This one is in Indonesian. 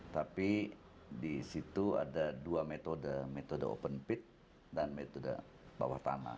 tapi di situ ada dua metode metode open pit dan metode bawah tanah